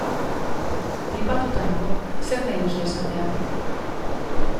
Flipatuta nago, zer nahi duzu esatea.